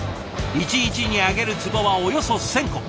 一日に揚げる壺はおよそ１，０００個。